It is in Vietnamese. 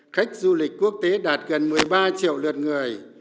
khách du lịch quốc tế đạt gần một mươi ba triệu lượt người